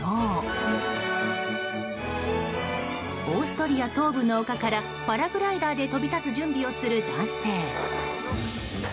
オーストリア東部の丘からパラグライダーで飛び立つ準備をする男性。